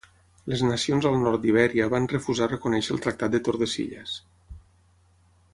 Les nacions al nord d'Ibèria, van refusar reconèixer el Tractat de Tordesillas.